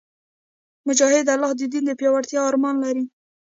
مجاهد د الله د دین د پیاوړتیا ارمان لري.